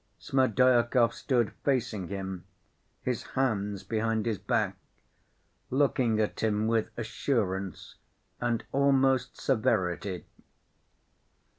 Smerdyakov stood facing him, his hands behind his back, looking at him with assurance and almost severity.